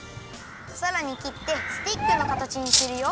さらにきってスティックのかたちにするよ！